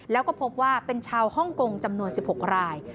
แล้วก็พบว่าเป็นชาวฮ่องกงจำนวน๑๖ราย